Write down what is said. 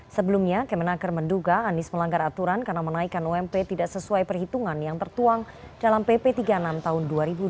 sebelumnya kemenaker menduga anies melanggar aturan karena menaikkan ump tidak sesuai perhitungan yang tertuang dalam pp tiga puluh enam tahun dua ribu dua puluh